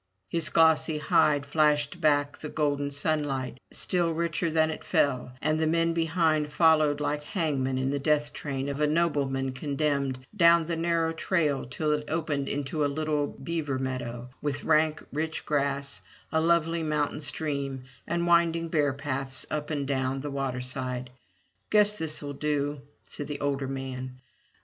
His glossy hide flashed back the golden sunlight, still richer than it fell, and the men behind followed like hangmen in the death train of a nobleman condemned — down the narrow trail till it opened into a little beaver meadow, with rank rich grass, a lovely mountain stream and winding bear paths up and down the waterside. "Guess this'll do," said the older man.